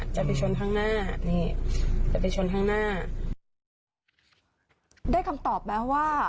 จะไปชนข้างหน้านี่จะไปชนข้างหน้าได้คำตอบแล้วว่า